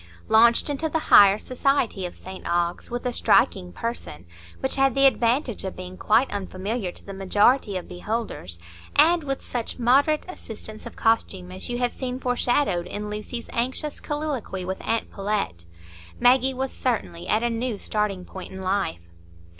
Launched into the higher society of St Ogg's, with a striking person, which had the advantage of being quite unfamiliar to the majority of beholders, and with such moderate assistance of costume as you have seen foreshadowed in Lucy's anxious colloquy with aunt Pullet, Maggie was certainly at a new starting point in life.